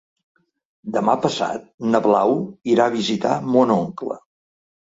Demà passat na Blau irà a visitar mon oncle.